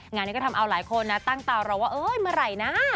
งานนี้ก็ทำเอาหลายคนนะตั้งตารอว่าเอ้ยเมื่อไหร่นะ